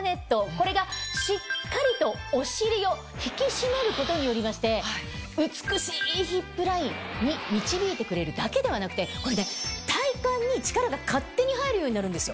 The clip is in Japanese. これがしっかりとお尻を引き締めることによりまして美しいヒップラインに導いてくれるだけではなくて体幹に力が勝手に入るようになるんですよ。